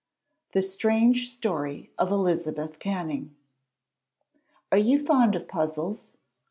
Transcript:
_] THE STRANGE STORY OF ELIZABETH CANNING Are you fond of puzzles?